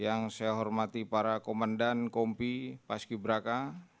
yang saya hormati para komandan kompi paski braka